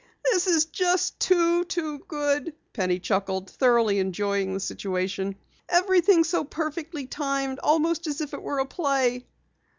"This is just too, too good!" Penny chuckled, thoroughly enjoying the situation. "Everything so perfectly timed, almost as if it were a play!"